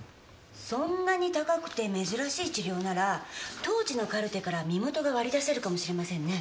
そんなに高くて珍しい治療なら当時のカルテから身元が割り出せるかもしれませんね。